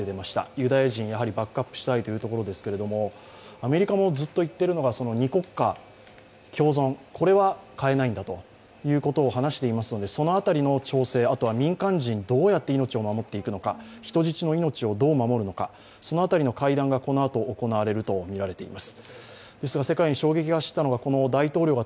ユダヤ人をバックアップしたいというところですけどアメリカもずっといっているのが、二国家共存、これは変えないんだということを話していますので、その辺りの調整、民間人、どうやって命を守っていくのか、人質の命をどう守るのか、その辺りの会談がこのあと行われるとみられます。